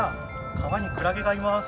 川にクラゲがいます。